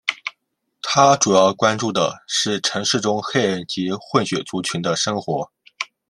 他主要关注的是城市中黑人及混血族群的生活。